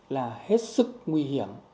là hết sức nguy hiểm